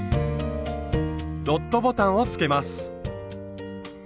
ドットボタンをつけます。